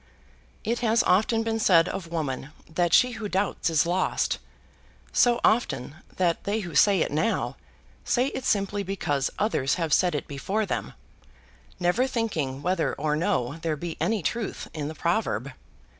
It has often been said of woman that she who doubts is lost, so often that they who say it now, say it simply because others have said it before them, never thinking whether or no there be any truth in the proverb.